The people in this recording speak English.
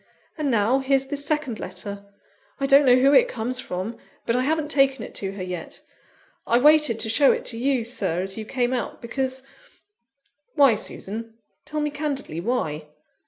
And now, here's this second letter; I don't know who it comes from but I haven't taken it to her yet; I waited to show it to you, Sir, as you came out, because " "Why, Susan? tell me candidly why?"